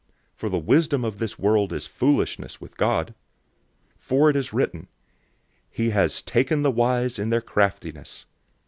003:019 For the wisdom of this world is foolishness with God. For it is written, "He has taken the wise in their craftiness."